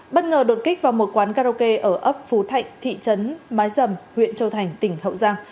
bất ngờ đột kích vào một quán karaoke ở ấp phú thạnh thị trấn mái dầm huyện châu thành tỉnh hậu giang